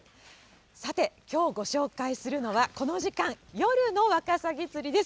さて、きょうご紹介するのは、この時間、夜のワカサギ釣りです。